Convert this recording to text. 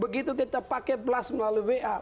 begitu kita pakai plus melalui wa